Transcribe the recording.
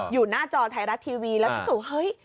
อยู่หน้าจอไทยรัฐทีวีแล้วคิดว่าเฮ้ย